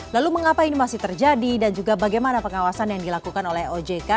lalu mengapa ini masih terjadi dan juga bagaimana pengawasan yang dilakukan oleh ojk